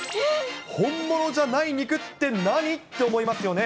本物じゃない肉って何？って思いますよね。